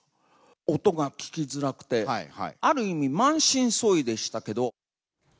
音が聴きづらくて、ある意味、満身創痍でしたけど。